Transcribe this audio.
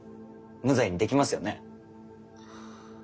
無罪にできますよね？